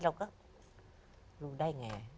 เราก็รู้ได้ไง